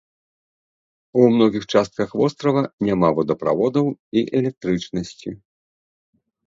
У многіх частках вострава няма водаправодаў і электрычнасці.